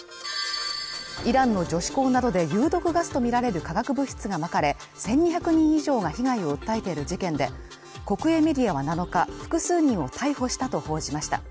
イランの女子高などで有毒ガスとみられる化学物質がまかれ、１２００人以上が被害を訴えている事件で、国営メディアは７日、複数人を逮捕したと報じました。